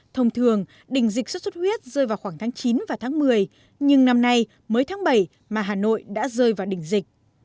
thông thường đỉnh dịch xuất xuất huyết rơi vào khoảng tháng chín và tháng một mươi nhưng năm nay mới tháng bảy mà hà nội đã rơi vào đỉnh dịch